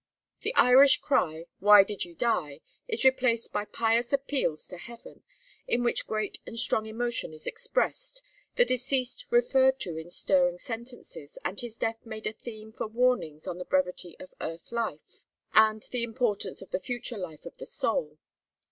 The Irish cry, 'Why did ye die?' is replaced by pious appeals to Heaven, in which great and strong emotion is expressed, the deceased referred to in stirring sentences, and his death made a theme for warnings on the brevity of earth life and the importance of the future life of the soul.